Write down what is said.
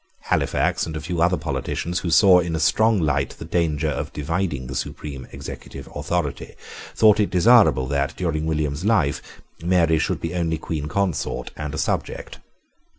Halifax and a few other politicians, who saw in a strong light the danger of dividing the supreme executive authority, thought it desirable that, during William's life, Mary should be only Queen Consort and a subject.